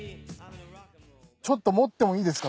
ちょっと持ってもいいですか？